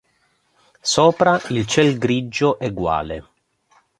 Sopra, il ciel grigio, eguale.